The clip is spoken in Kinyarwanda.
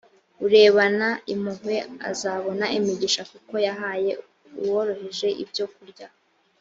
urebana impuhwe azabona imigisha kuko yahaye uworoheje ibyo kurya